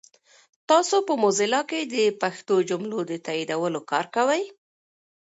تاسو په موزیلا کې د پښتو جملو د تایدولو کار کوئ؟